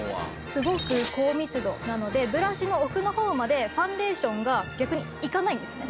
すごく高密度なのでブラシの奥の方までファンデーションが逆にいかないんですね。